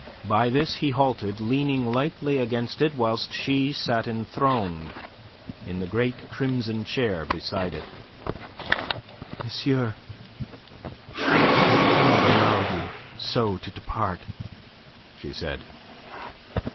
By this he halted, leaning lightly against it whilst she sat enthroned in the great crimson chair beside it. "Monsieur, I cannot allow you so to depart," she said.